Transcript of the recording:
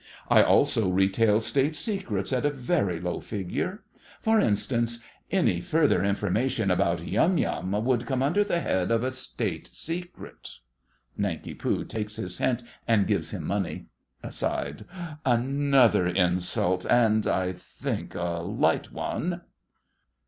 I also retail State secrets at a very low figure. For instance, any further information about Yum Yum would come under the head of a State secret. (Nanki Poo takes his hint, and gives him money.) (Aside.) Another insult and, I think, a light one!